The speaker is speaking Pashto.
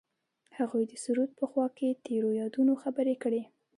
هغوی د سرود په خوا کې تیرو یادونو خبرې کړې.